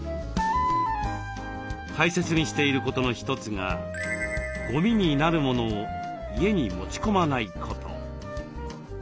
大切にしていることの一つがゴミになるものを家に持ち込まないこと。